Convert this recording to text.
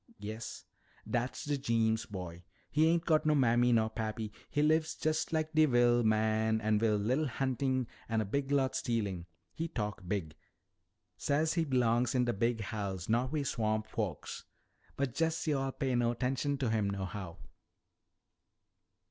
"Yes." "Dat's de Jeems boy. He ain't got no mammy nor pappy. He lives jest like de wil' man wi' a li'l huntin' an' a big lot stealin'. He talk big. Say he belongs in de big house, not wi' swamp folks. But jest yo'all pay no 'tenshun to him nohow."